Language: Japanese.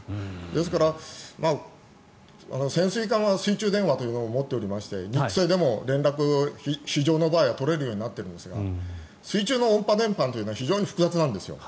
ですから、潜水艦は水中電話というものを持っていまして連絡、非常の場合は取れるようになっているんですが水中の音波伝播というのは非常に複雑なんです。